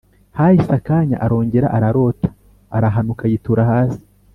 hahise akanya arongera ararota arahanuka yitura hasi